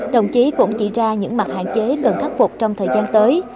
đồng chí cũng chỉ ra những mặt hạn chế cần khắc phục trong thời gian tới